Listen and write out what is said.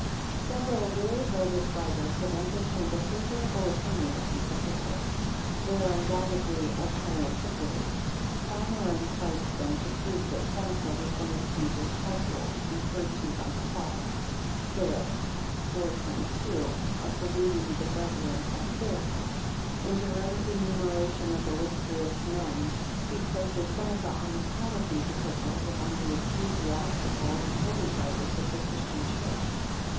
[Several very learned writers have entertained a favourable opinion of these Epistles. They are undoubtedly of high antiquity. Salmeron cites them to prove that Seneca was one of Caesar's household, referred to by Paul, Philip iv. 22, as saluting the brethren at Philippi. In Jerome's enumeration of illustrious men, he places Seneca, on account of these Epistles, amongst the ecclesiastical and holy writers of the Christian Church.